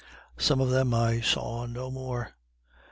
Some of them I saw no more.